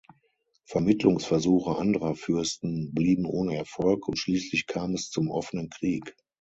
Vermittlungsversuche anderer Fürsten blieben ohne Erfolg, und schließlich kam es zum offenen Krieg.